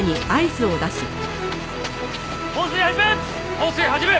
放水始め！